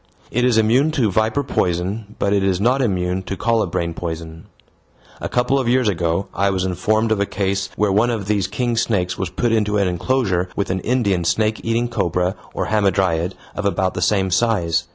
It is immune to viper poison but it is not immune to colubrine poison. A couple of years ago I was informed of a case where one of these king snakes was put into an enclosure with an Indian snake eating cobra or hamadryad of about the same size.